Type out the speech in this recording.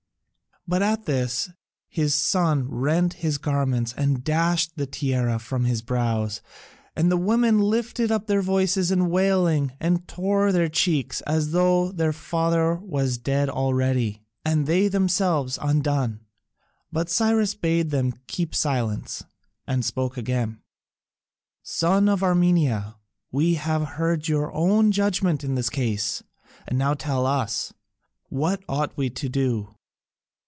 But at this his son rent his garments and dashed the tiara from his brows, and the women lifted up their voices in wailing and tore their cheeks, as though their father was dead already, and they themselves undone. But Cyrus bade them keep silence, and spoke again. "Son of Armenia, we have heard your own judgment in this case, and now tell us, what ought we to do?"